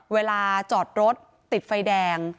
เวลาจอดรถติดไฟแดง